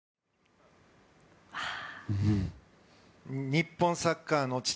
日本サッカーの父